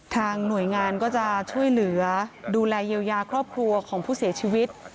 หน่วยงานก็จะช่วยเหลือดูแลเยียวยาครอบครัวของผู้เสียชีวิต